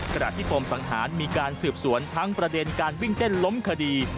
ขณะที่ปมสังหารมีการสืบสวนทั้งประเด็นการวิ่งเต้นล้มคดี